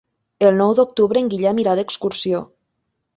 El nou d'octubre en Guillem irà d'excursió.